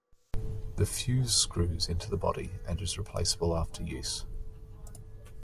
The fuze screws into the body, and is replaceable after use.